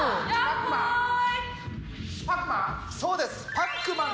パックマン？